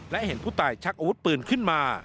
และเห็นผู้ตายชักอาวุธปืนขึ้นมา